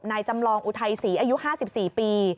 จำลองอุทัยศรีอายุ๕๔ปี